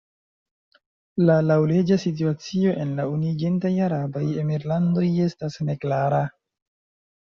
La laŭleĝa situacio en la Unuiĝintaj Arabaj Emirlandoj estas neklara.